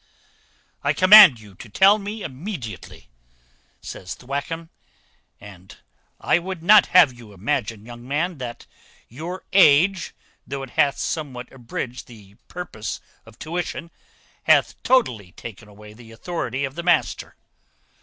"I command you to tell me immediately," says Thwackum: "and I would not have you imagine, young man, that your age, though it hath somewhat abridged the purpose of tuition, hath totally taken away the authority of the master.